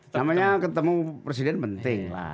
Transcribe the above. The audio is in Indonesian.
namanya ketemu presiden penting lah